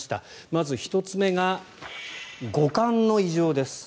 まず１つ目が五感の異常です。